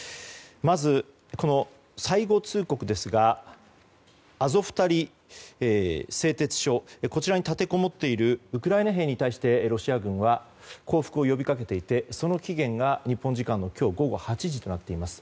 まず、この最後通告ですがアゾフスタリ製鉄所こちらに立てこもっているウクライナ兵に対してロシア軍は降伏を呼び掛けていてその期限が日本時間の今日午後８時となっています。